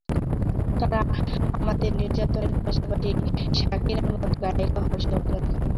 তারা আমাদের নির্যাতনের পাশাপাশি শাকিরার মত গায়িকা হওয়ার স্বপ্ন দেখাতো।